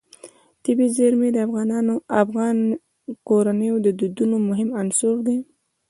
طبیعي زیرمې د افغان کورنیو د دودونو مهم عنصر دی.